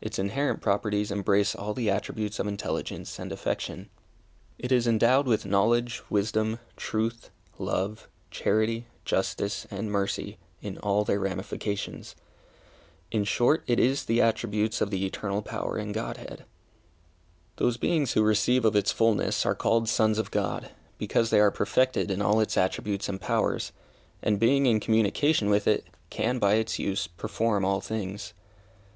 Its inherent properties embrace all the attributes of intelligence and affection. It is endowed with knowledge, wisdom, truth, love, charity, justice, and mercy, in all their ramifications. In short, it is the attributes of the eternal power and Godhead. Those beings who receive of its fulness are called sons of God, because they are perfected in all its attributes and powers, and being in communication with it, can, by its use, perform all things.